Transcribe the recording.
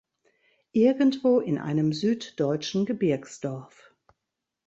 Irgendwo in einem süddeutschen Gebirgsdorf.